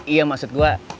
iya maksud gue